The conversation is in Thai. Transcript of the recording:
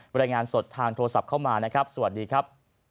รายงานสดทางโทรศัพท์เข้ามานะครับสวัสดีครับ